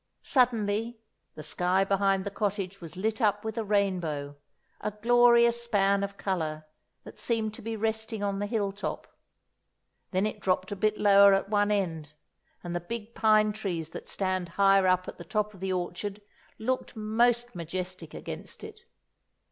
Suddenly the sky behind the cottage was lit up with a rainbow—a glorious span of colour that seemed to be resting on the hill top. Then it dropped a bit lower at one end, and the big pine trees that stand higher up at the top of the orchard looked most majestic against it.